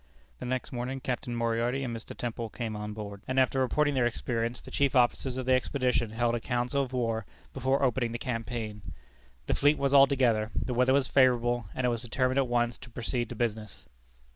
The next morning Captain Moriarty and Mr. Temple came on board, and after reporting their experience, the chief officers of the Expedition held a council of war before opening the campaign. The fleet was all together, the weather was favorable, and it was determined at once to proceed to business.